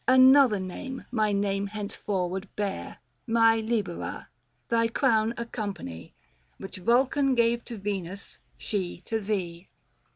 oo^ Another name, my name henceforward bear My Libera : thy crown accompany, Which Yulcan gave to Yenus, she to thee."